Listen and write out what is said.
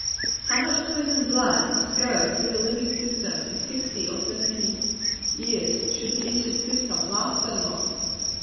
How much poisoned blood must go through the living system in sixty or seventy years, should the injured system last so long!